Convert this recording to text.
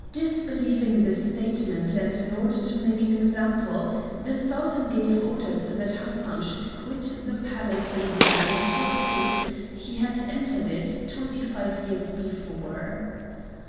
Disbelieving the statement, and in order to make an example, the Sultan gave orders that Hassan should quit the Palace in the identical state he had entered it twenty five years before.